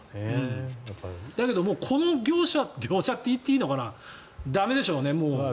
だけど、この業者業者って言っていいのかな駄目でしょうね。